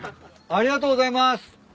ありがとうございます。